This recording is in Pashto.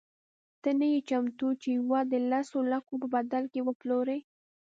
ته نه یې چمتو چې یوه د لسو لکو په بدل کې وپلورې.